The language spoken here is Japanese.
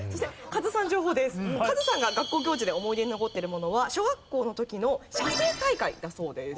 カズさんが学校行事で思い出に残っているものは小学校の時の写生大会だそうです。